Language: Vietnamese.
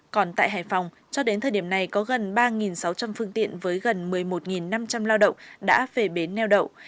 còn tại hải phòng cho đến thời điểm này có gần ba sáu trăm linh phương tiện với gần một mươi một năm trăm linh lao động đã về bến neo đậu